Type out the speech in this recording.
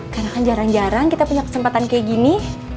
karena kan jarang jarang kita punya kesempatan kayak gini